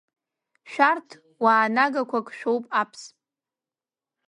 Шәарҭ уаа нагақәак шәоуп Аԥс.